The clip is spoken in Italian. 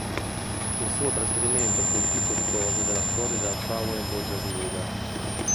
Il suo trasferimento fu il più costoso nella storia della Frauen-Bunbdesliga.